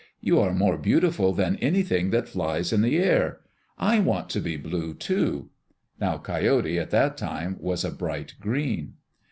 You are more beautiful than anything that flies in the air. I want to be blue, too." Now Coyote at that time was a bright green.